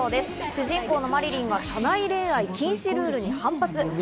主人公のマリリンが社内恋愛禁止ルールに反発。